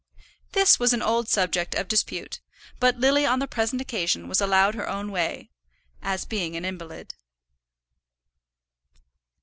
This was an old subject of dispute; but Lily on the present occasion was allowed her own way, as being an invalid.